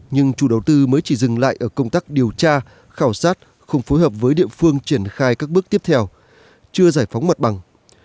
nhưng chủ đầu tư mới chỉ dừng lại ở công tác điều tra khảo sát không phối hợp với địa phương triển khai các bước tiếp theo chưa giải phóng mặt bằng